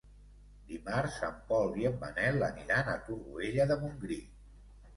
Dimarts en Pol i en Manel aniran a Torroella de Montgrí.